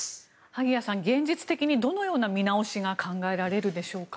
萩谷さん、現実的にどのような見直しが考えられるでしょうか。